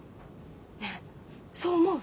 ねえそう思う？